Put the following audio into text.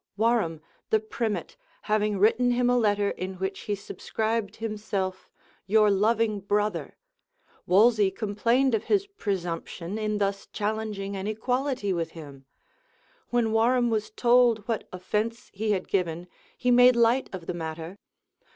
Warham, the primate, having written him a letter in which he subscribed himself "your loving brother," Wolsey complained of his presumption in thus challenging an equality with him. When Warham was told what offence he had given, he made light of the matter.